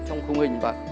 trong khung hình bạn